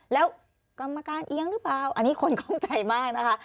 แล้วกรรมการเอียงหรือเปล่าอันนี้คนข้องใจมากนะคะ